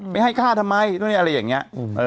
ไปให้ฆ่าทำไมอะไรอย่างนี้